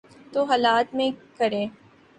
تو حالات میں کریں۔